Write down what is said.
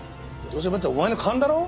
どうせまたお前の勘だろ？